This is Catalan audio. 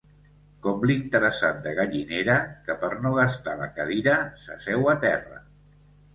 Com l'interessat de Gallinera, que per no gastar la cadira s'asseu a terra.